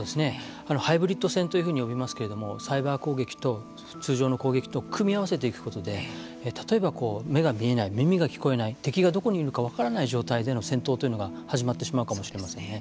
ハイブリッド戦というふうに呼びますけれどもサイバー攻撃と通常の攻撃と組み合わせていくことで例えば、目が見えない耳が聞こえない敵がどこにいるのか分からない状態での戦闘というのが始まってしまうかもしれませんね。